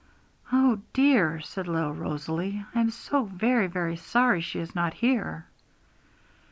'Oh dear!' said little Rosalie; 'I'm so very, very sorry she is not here!'